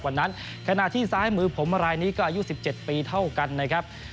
ขณะที่ซ้ายมือผมรายนี้ก็อายุ๑๗ปีเท่ากันนะครับ